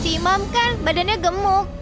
imam kan badannya gemuk